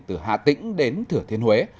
từ hạ tĩnh đến thửa thiên huế